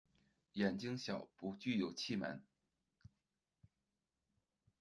眼睛小，不具有气门。